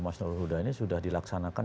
mas nur huda ini sudah dilaksanakan